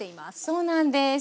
そうなんです。